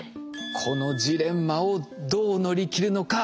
このジレンマをどう乗り切るのか？